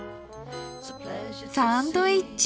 サンドイッチ！